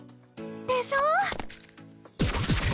でしょ！